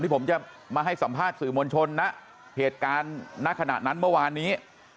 ผมจะมาให้สัมภาษณ์สื่อมวลชนนะเหตุการณ์ณขณะนั้นเมื่อวานนี้